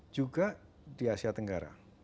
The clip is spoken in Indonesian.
juga di asia tenggara